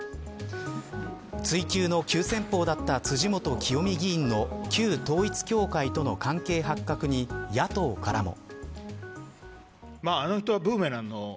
追及の急先鋒だった辻元清美議員の旧統一教会との関係発覚に野党からも。